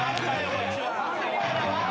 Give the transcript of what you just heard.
こっちは！